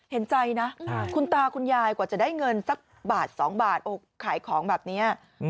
เห็นใจนะคุณตาคุณยายกว่าจะได้เงินสักบาท๒บาทขายของแบบนี้